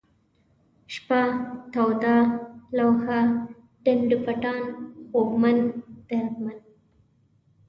شپه ، توده ، لوحه ، ډنډ پټان ، خوږمن ، دردمن